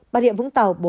bà địa vũng tàu bốn